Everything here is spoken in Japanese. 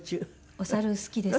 お猿好きです。